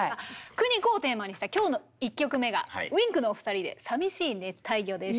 「クニコ」をテーマにした今日の１曲目がＷｉｎｋのお二人で「淋しい熱帯魚」でした。